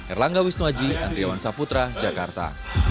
erlangga wisnuaji andriawan saputra jakarta